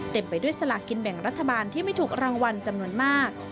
ไปด้วยสลากินแบ่งรัฐบาลที่ไม่ถูกรางวัลจำนวนมาก